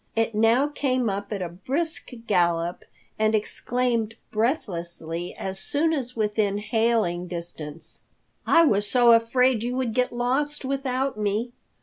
It now came up at a brisk gallop, and exclaimed breathlessly as soon as within hailing distance, "I was so afraid you would get lost without me!"